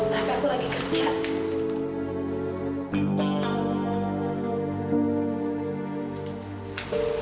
tapi aku lagi kerja